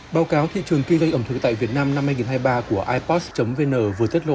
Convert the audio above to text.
báo cáo thị trường kinh doanh ẩm thực tại việt nam năm hai nghìn hai mươi ba của ipos vn vừa tiết lộ